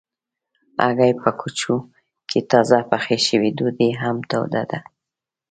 هګۍ په کوچو کې تازه پخې شوي ډوډۍ هم توده ده.